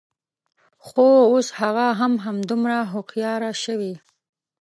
خو، اوس هغه هم همدومره هوښیاره شوې